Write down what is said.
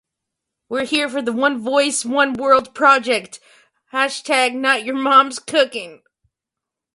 District Section Commanders are typically Senior Sergeants.